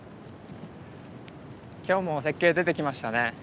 今日も雪渓出てきましたね。